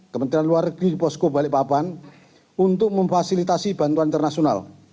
kementerian luar negeri di posko balikpapan untuk memfasilitasi bantuan internasional